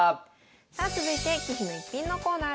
さあ続いて「棋士の逸品」のコーナーです。